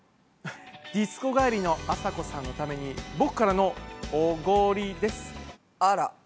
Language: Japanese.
ディスコ帰りのあさこさんのために僕からのあら。